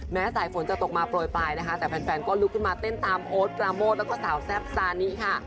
สายฝนจะตกมาโปรยปลายนะคะแต่แฟนก็ลุกขึ้นมาเต้นตามโอ๊ตปราโมทแล้วก็สาวแซ่บซานิค่ะ